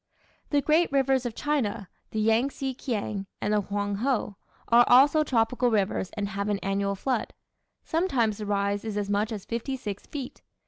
The great rivers of China, the Yang tse Kiang and the Hwangho, are also tropical rivers and have an annual flood. Sometimes the rise is as much as fifty six feet.